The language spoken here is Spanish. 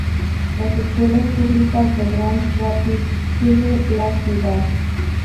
Las Escuelas Públicas de Grand Rapids sirve la ciudad.